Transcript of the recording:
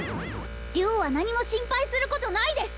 良は何も心配することないです